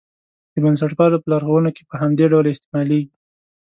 د بنسټپالو په لارښوونو کې په همدې ډول استعمالېږي.